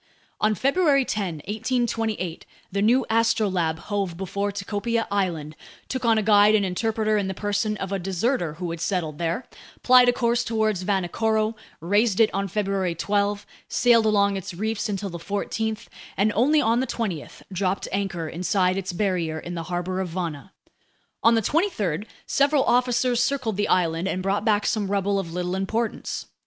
On February 10, 1828, the new Astrolabe hove before Tikopia Island, took on a guide and interpreter in the person of a deserter who had settled there, plied a course toward Vanikoro, raised it on February 12, sailed along its reefs until the 14th, and only on the 20th dropped anchor inside its barrier in the harbor of Vana. On the 23rd, several officers circled the island and brought back some rubble of little importance.